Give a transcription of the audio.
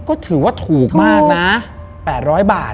ก็ถือว่าถูกมากนะ๘๐๐บาท